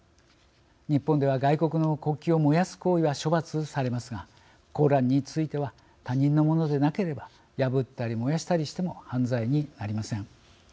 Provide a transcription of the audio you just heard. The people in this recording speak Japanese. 日本では外国の国旗を燃やす行為は処罰されますがコーランについては他人のものでなければ破ったり燃やしたりしても犯罪になりません。